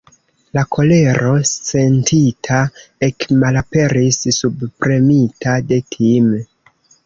La kolero sentita ekmalaperis, subpremita de tim'.